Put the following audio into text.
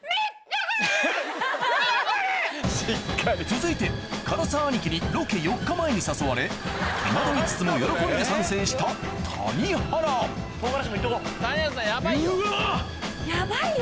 続いて唐沢兄貴にロケ４日前に誘われ戸惑いつつも喜んで参戦した谷原谷原さんヤバいよ。